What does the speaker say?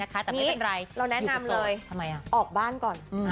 แต่ไม่เป็นไรเราแนะนำเลยออกบ้านก่อน